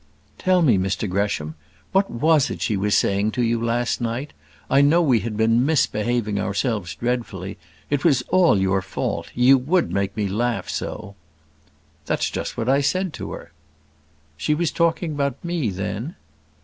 "Tell me, Mr Gresham, what was it she was saying to you last night? I know we had been misbehaving ourselves dreadfully. It was all your fault; you would make me laugh so." "That's just what I said to her." "She was talking about me, then?"